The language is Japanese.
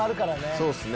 そうっすね